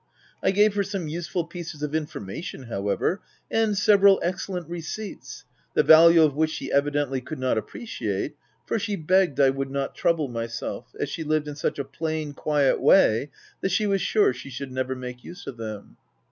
I gave her some useful pieces of information, however, and several excellent receipts, the value of which, she evidently could not appreciate, for she begged I would not trouble myself, as she lived in such a plain, quiet way, that she was sure she should never make use of them.